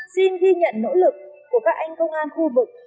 xin ghi nhận nỗ lực của các anh công an khu vực